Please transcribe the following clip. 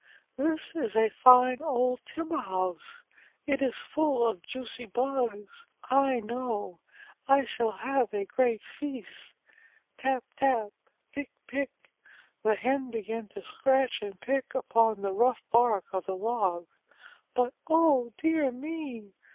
This is a fine old timber house. It is full of juicy bugs, I know. I shall have a great feast!" Tap tap! Pick pick! The Hen began to scratch and peck upon the rough bark of the log, but Oh dear me!